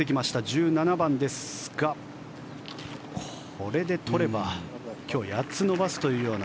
１７番ですが、これで取れば今日８つ伸ばすというような。